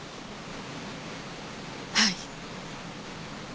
はい。